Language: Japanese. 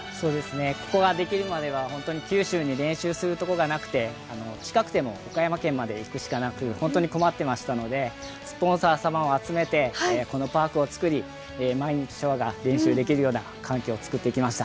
ここができるまでは本当に九州に練習するところがなくて近くても岡山県まで行くしかなく本当に困っていましたのでスポンサー様を集めて、このパークを造り、毎日、翔海が練習できるような環境をつくってきました。